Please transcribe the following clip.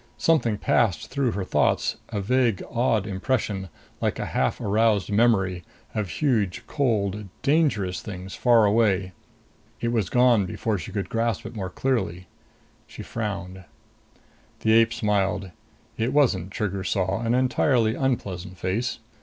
Something passed through her thoughts, a vague odd impression, like a half aroused memory, of huge, cold, dangerous things far away. It was gone before she could grasp it more clearly. She frowned. The ape smiled. It wasn't, Trigger saw, an entirely unpleasant face.